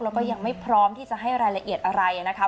แล้วก็ยังไม่พร้อมที่จะให้รายละเอียดอะไรนะคะ